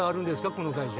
この会社。